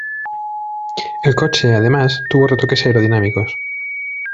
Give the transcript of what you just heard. El coche, además, tuvo retoques aerodinámicos.